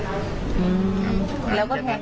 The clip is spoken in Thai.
อือแล้วก็เผ็ดเงิน